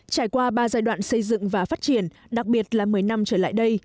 trải qua ba giai đoạn xây dựng và phát triển đặc biệt là một mươi năm trở lại đây